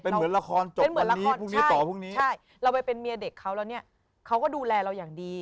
เป็นเหมือนละครจบวันนี้ต่อวันนี้